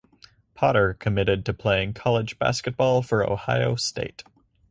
Potter committed to playing college basketball for Ohio State.